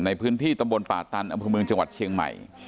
ในพื้นที่ตำบลป่าตันอำเภอเมืองจังหวัดเชียงใหม่